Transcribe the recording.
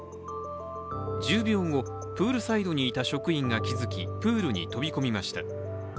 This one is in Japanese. １０秒後、プールサイドにいた職員が気づきプールに飛び込みました。